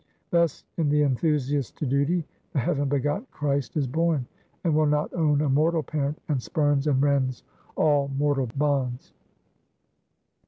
Thus, in the Enthusiast to Duty, the heaven begotten Christ is born; and will not own a mortal parent, and spurns and rends all mortal bonds.